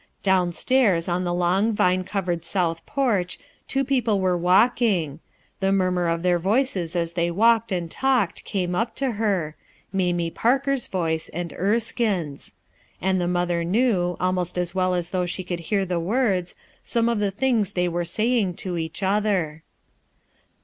Downstairs on the long vine^covcred south porch two people were walk ing; the murmur of their voices as they walked and talked came up to her, Mamie Tarkers voice, and Erskines. And the mother knew, almost as well as though she could hear the words, some of the things they were saying to each other.